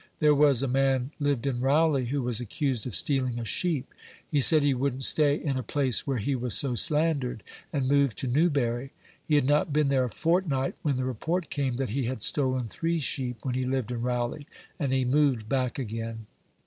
There was a man lived in Rowley, who was accused of stealing a sheep. He said he wouldn't stay in a place where he was so slandered, and moved to Newbury. He had not been there a fortnight when the report came that he had stolen three sheep when he lived in Rowley, and he moved back again."